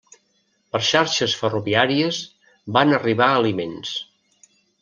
Per xarxes ferroviàries van arribar aliments.